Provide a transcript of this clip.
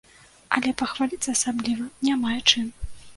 Але пахваліцца асабліва не мае чым.